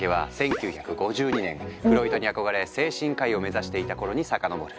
フロイトに憧れ精神科医を目指していた頃に遡る。